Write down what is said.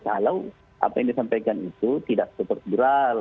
kalau apa yang disampaikan itu tidak super geral